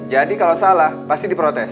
jadi kalau salah pasti diprotes